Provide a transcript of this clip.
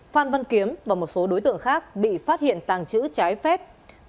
phan văn kiếm và một số đối tượng khác bị phát hiện tàng trữ trái phép